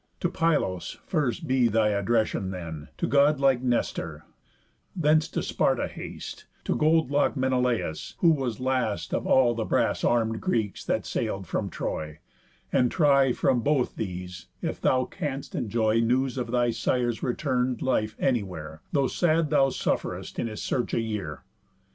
To Pylos first be thy addression then, To god like Nestor; thence to Sparta haste, To gold lock'd Menelaus, who was last Of all the brass arm'd Greeks that sail'd from Troy; And try from both these, if thou canst enjoy News of thy sire's return'd life anywhere, Though sad thou suffer'st in his search a year.